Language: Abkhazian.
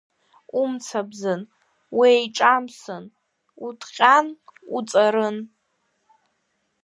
Умцабзын, уеиҿамсын, уҭҟьан, уҵарын.